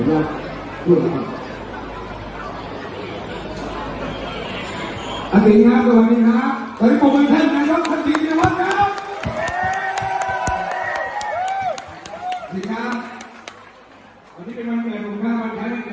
เจ้ากับคำว่าเมื่อไหร่คือทำไปเหมือนมีตอนความจริงค่ะ